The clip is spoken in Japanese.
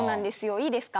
いいですか？